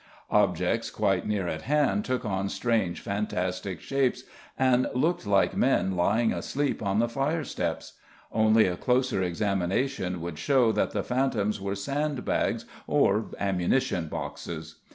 Objects quite near at hand took on strange fantastic shapes and looked like men lying asleep on the firesteps; only a closer examination would show that the phantoms were sandbags or ammunition boxes.